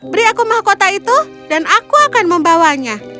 beri aku mahkota itu dan aku akan membawanya